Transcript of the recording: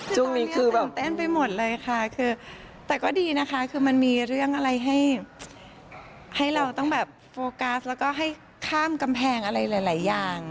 ช่วงนี้คือแบบตื่นเต้นไปหมดเลยค่ะคือแต่ก็ดีนะคะคือมันมีเรื่องอะไรให้เราต้องแบบโฟกัสแล้วก็ให้ข้ามกำแพงอะไรหลายอย่าง